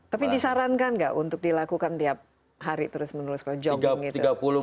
tapi disarankan nggak untuk dilakukan tiap hari terus menerus kalau jogging itu